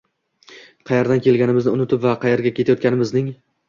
qaerdan kelganimizni unutib va qaerga ketayotganimizning